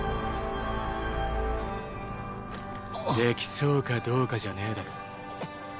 できそうかどうかじゃねぇだろ。